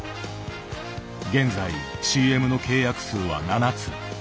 現在ＣＭの契約数は７つ。